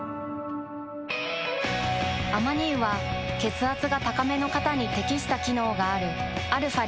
アマニ油は血圧が高めの方に適した機能があるαー